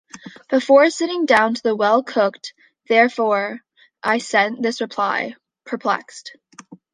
Before sitting down to the well-cooked, therefore, I sent this reply: Perplexed.